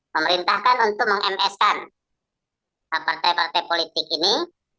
memerintahkan untuk meng ms kan partai partai politik ini